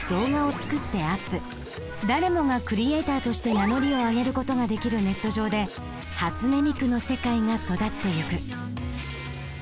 誰もがクリエーターとして名乗りを上げる事ができるネット上で初音ミクの世界が育ってゆく。